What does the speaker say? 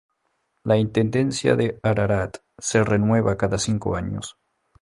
La intendencia de Ararat se renueva cada cinco años.